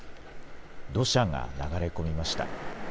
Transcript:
土砂が流れ込みました。